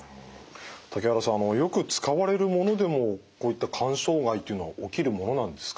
竹原さんよく使われるものでもこういった肝障害というのは起きるものなんですか？